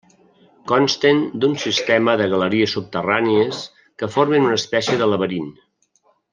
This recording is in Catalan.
Consten d'un sistema de galeries subterrànies que formen una espècie de laberint.